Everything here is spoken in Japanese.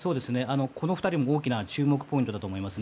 この２人も大きな注目ポイントだと思います。